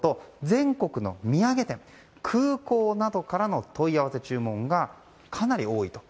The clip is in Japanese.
全国の土産店、空港などからの問い合わせ、注文がかなり多いと。